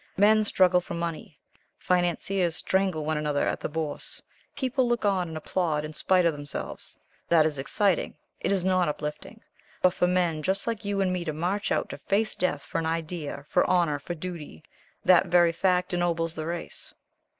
Men struggle for money. Financiers strangle one another at the Bourse. People look on and applaud, in spite of themselves. That is exciting. It is not uplifting. But for men just like you and me to march out to face death for an idea, for honor, for duty, that very fact ennobles the race."